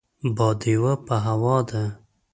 باديوه په هوا ده.